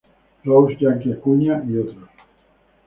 Rose, Jackie Acuña y otros.